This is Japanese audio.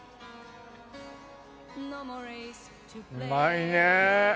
うまいね。